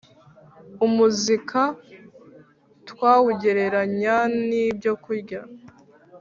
Umuzika twawugereranya n ibyo kurya